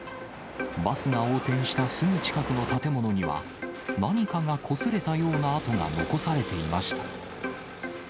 バスが横転したすぐ近くの建物には、何かがこすれたような跡が残されていました。